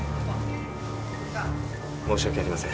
申し訳ありません。